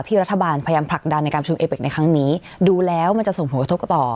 รัฐบาลพยายามผลักดันในการประชุมเอเป็กในครั้งนี้ดูแล้วมันจะส่งผลกระทบต่อ